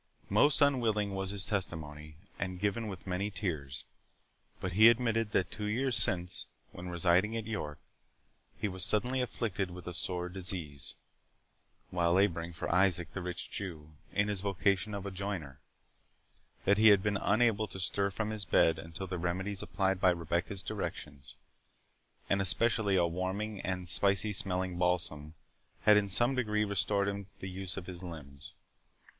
Most unwilling was his testimony, and given with many tears; but he admitted that two years since, when residing at York, he was suddenly afflicted with a sore disease, while labouring for Isaac the rich Jew, in his vocation of a joiner; that he had been unable to stir from his bed until the remedies applied by Rebecca's directions, and especially a warming and spicy smelling balsam, had in some degree restored him to the use of his limbs.